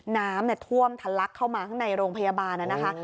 น้ำเนี่ยท่วมทัลลักษณ์เข้ามาข้างในโรงพยาบาลน่ะนะคะ